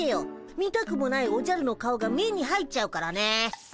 見たくもないおじゃるの顔が目に入っちゃうからね。